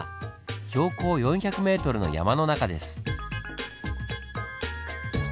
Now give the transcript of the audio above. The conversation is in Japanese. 標高４００ｍの山の中です。